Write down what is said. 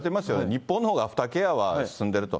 日本のほうがアフターケアは進んでいると。